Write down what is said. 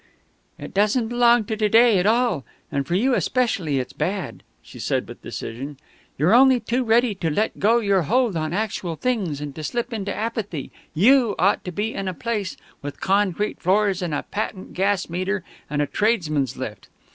"It doesn't belong to to day at all, and for you especially it's bad," she said with decision. "You're only too ready to let go your hold on actual things and to slip into apathy; you ought to be in a place with concrete floors and a patent gas meter and a tradesmen's lift.